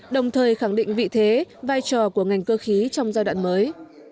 đồng thời khẳng định vị thế vai trò của ngành cơ khí trong giai đoạn mới